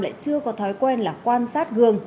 lại chưa có thói quen là quan sát gương